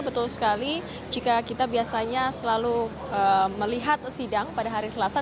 betul sekali jika kita biasanya selalu melihat sidang pada hari selasa